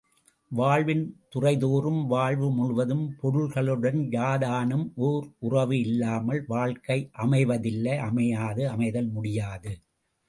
வாழ்வின் துறைதோறும், வாழ்வு முழுவதும் பொருள்களுடன் யாதானும் ஒரு உறவு இல்லாமல் வாழ்க்கை அமைவதில்லை அமையாது அமைதல் முடியாது.